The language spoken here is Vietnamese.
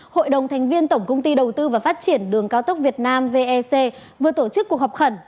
hội đồng thành viên tổng công ty đầu tư và phát triển đường cao tốc việt nam vec vừa tổ chức cuộc họp khẩn